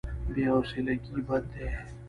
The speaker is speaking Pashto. بې حوصلګي بد دی.